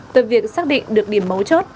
từ việc xác định được điểm mấu chốt